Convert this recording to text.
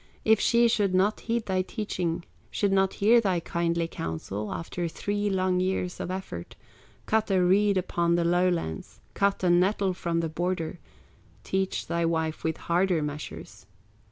If she should not heed thy teaching, Should not hear thy kindly counsel After three long years of effort, Cut a reed upon the lowlands, Cut a nettle from the border, Teach thy wife with harder measures.